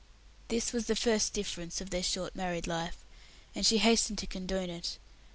This was the first difference of their short married life, and she hastened to condone it.